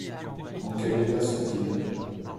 En quel état sont-ils ?